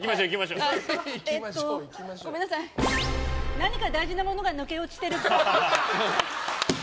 何か大事なものが抜け落ちてるっぽい。